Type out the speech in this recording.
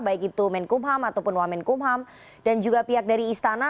baik itu menkumham ataupun wamen kumham dan juga pihak dari istana